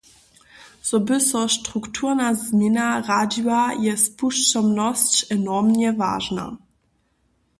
Zo by so strukturna změna radźiła, je spušćomnosć enormnje wažna.